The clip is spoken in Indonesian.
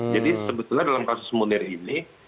jadi sebetulnya dalam kasus mundir ini